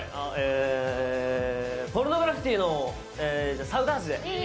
ポルノグラフィティの「サウダージ」で。